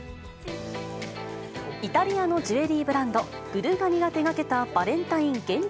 イタリアのジュエリーブランド、ブルガリが手がけたバレンタイン限定